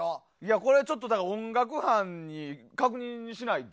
これはちょっと音楽班に確認しないと。